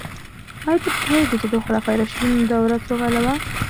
آیا ته پوهیږې چې د خلفای راشدینو دوره څو کاله وه؟